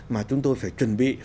mà chúng tôi phải chuẩn bị